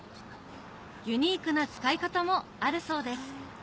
ユニークな使い方もあるそうです